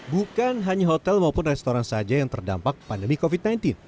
bukan hanya hotel maupun restoran saja yang terdampak pandemi covid sembilan belas